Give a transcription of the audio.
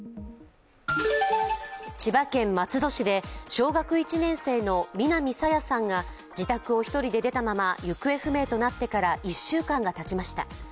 千葉県松戸市で小学１年生の南朝芽さんが自宅を１人で出たまま行方不明となってから１週間がたちました。